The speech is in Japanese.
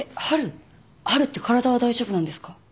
春って体は大丈夫なんですか？